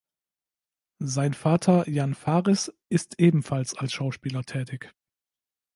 Sein Vater Jan Fares ist ebenfalls als Schauspieler tätig.